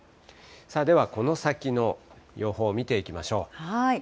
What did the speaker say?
ではこの先の予報見ていきましょう。